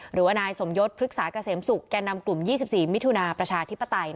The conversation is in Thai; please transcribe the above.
หรือว่านายสมยศพฤกษาเกษมศุกร์แก่นำกลุ่ม๒๔มิถุนาประชาธิปไตย